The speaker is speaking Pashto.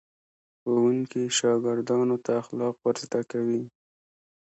ښوونکي شاګردانو ته اخلاق ور زده کوي.